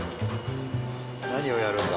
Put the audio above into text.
何をやるんだ？